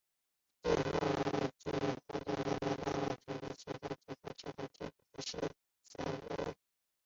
他在季后也获得了麦当劳全明星赛和乔丹经典赛的参赛资格。